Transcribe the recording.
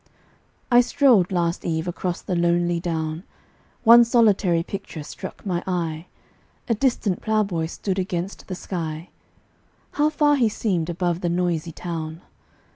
I strolled last eve across the lonely down; One solitary picture struck my eye: A distant ploughboy stood against the sky How far he seemed above the noisy town!